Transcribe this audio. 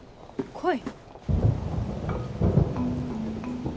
来い？